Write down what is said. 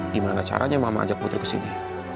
gimana caranya mama ajak putri ke sini